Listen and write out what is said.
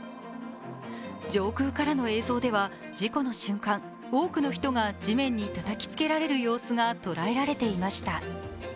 上空からの映像では事故の瞬間、多くの人が地面にたたきつけられる様子が捉えられていました。